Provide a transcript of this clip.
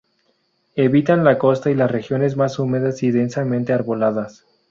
Evitan la costa y las regiones más húmedas y densamente arboladas.